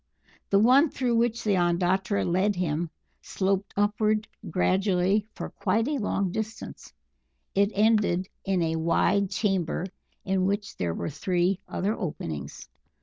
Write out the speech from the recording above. The one through which the Ondatra led him sloped upward gradually for quite a long distance; it ended in a wide chamber in which there were three other openings.